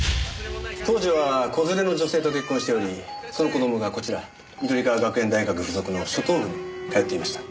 当時は子連れの女性と結婚しておりその子供がこちら緑川学園大学付属の初等部に通っていました。